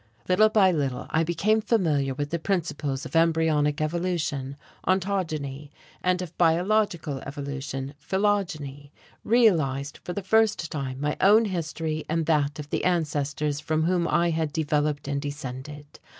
Little by little I became familiar with the principles of embryonic evolution, ontogeny, and of biological evolution, phylogeny; realized, for the first time, my own history and that of the ancestors from whom I had developed and descended.